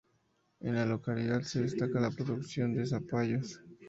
En la localidad se destaca la producción de zapallos.